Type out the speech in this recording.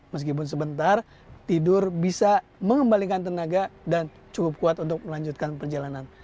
meskipun sebentar tidur bisa mengembalikan tenaga dan cukup kuat untuk melanjutkan perjalanan